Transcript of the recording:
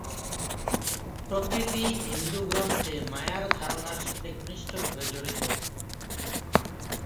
প্রকৃতি হিন্দু গ্রন্থে মায়ার ধারণার সাথে ঘনিষ্ঠভাবে জড়িত।